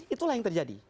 itulah yang terjadi